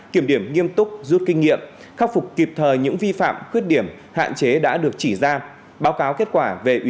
kiểm điểm nghiêm túc rút kinh nghiệm khắc phục kịp thời những vi phạm khuyết điểm hạn chế đã được chỉ ra